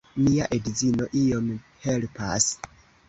Mia edzino iom helpas.